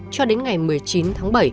cho đến ngày một mươi chín tháng bảy